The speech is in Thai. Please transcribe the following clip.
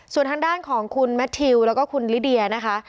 ส่วนทางด้านของคุณแมททิวแล้วก็คุณลิเดียนะคะ